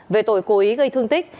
về tội cố ý gây thương tích